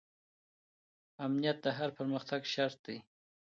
امنیت د هر پرمختګ شرط دی.